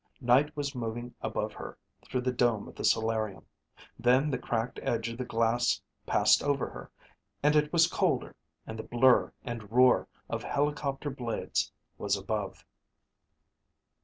Night was moving above her through the dome of the solarium. Then the cracked edge of the glass passed over her, and it was colder, and the blur and roar of helicopter blades was above.